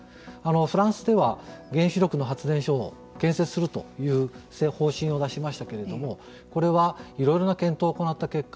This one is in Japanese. フランスでは原子力の発電所を建設するという方針を出しましたけれどもこれはいろいろな検討を行った結果